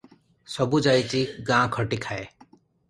ସବୁ ଯାଇଛି ଗାଁ ଖଟି ଖାଏ ।